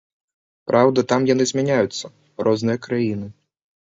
Праўда, там яны змяняюцца, розныя краіны.